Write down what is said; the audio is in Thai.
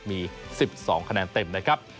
มี๑๒คะแนนเต็มนะครับ